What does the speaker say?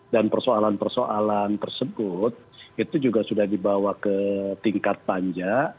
dan persoalan persoalan tersebut itu juga sudah dibawa ke tingkat panja